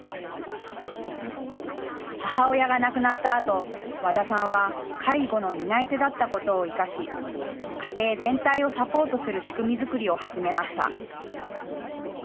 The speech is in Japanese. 母親が亡くなったあと、和田さんは介護の担い手だったことを生かし家庭全体をサポートする仕組み作りを始めました。